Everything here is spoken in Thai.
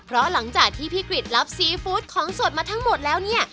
เพราะหลังจากที่พี่กริจรับซีฟู้ดของสดมาทั้งหมดแล้วเนี่ย